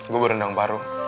gue berendang paru